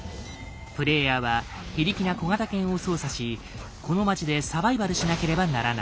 プレイヤーは非力な小型犬を操作しこの街でサバイバルしなければならない。